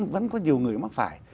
vẫn có nhiều người mặc phải